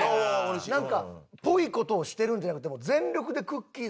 なんかぽい事をしてるんじゃなくて全力でくっきー！